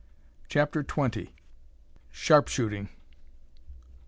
CHAPTER TWENTY. SHARP SHOOTING.